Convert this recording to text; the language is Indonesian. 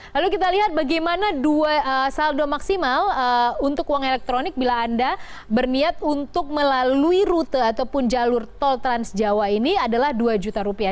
lalu kita lihat bagaimana saldo maksimal untuk uang elektronik bila anda berniat untuk melalui rute ataupun jalur tol trans jawa ini adalah dua juta rupiah